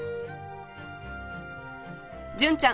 純ちゃん